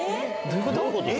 どういうこと？